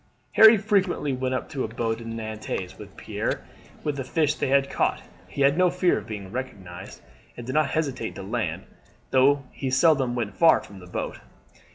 Harry frequently went up in a boat to Nantes with Pierre with the fish they had caught. He had no fear of being recognized, and did not hesitate to land, though he seldom went far from the boat.